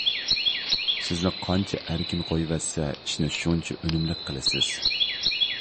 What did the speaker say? سىزنى قانچە ئەركىن قويۇۋەتسە، ئىشنى شۇنچە ئۈنۈملۈك قىلىسىز.